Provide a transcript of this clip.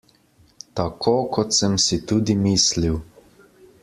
Tako kot sem si tudi mislil!